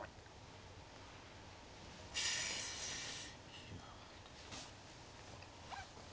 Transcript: いや。